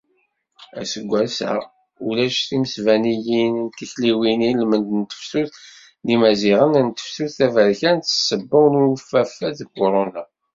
Aseggas-a ulac timesbaniyin d tekliwin ilmend n tesfut n Yimaziɣen d tefsut taberkant s ssebba n unfafad Kuruna.